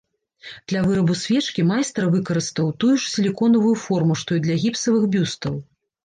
Для вырабу свечкі майстар выкарыстаў тую ж сіліконавую форму, што і для гіпсавых бюстаў.